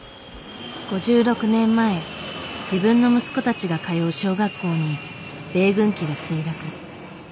５６年前自分の息子たちが通う小学校に米軍機が墜落。